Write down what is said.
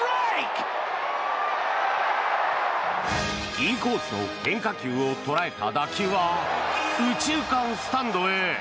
インコースの変化球を捉えた打球は右中間スタンドへ。